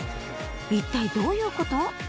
一体どういうこと？